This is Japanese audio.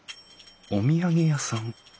お土産屋さん？